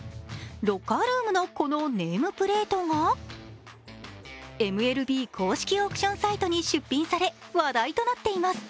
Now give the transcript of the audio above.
ロッカールームのこのネームプレートがＭＬＢ公式オークションサイトに出品され話題となっています。